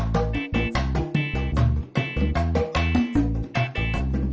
boleh di atas doang kita bokeh